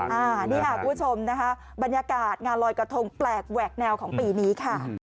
อันนี้ค่ะคุณผู้ชมนะคะบรรยากาศงานลอยกระทงแปลกแหวกแนวของปีนี้ค่ะ